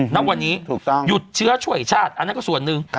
ณวันนี้หยุดเชื้อช่วยชาติอันนั้นก็ส่วนหนึ่ง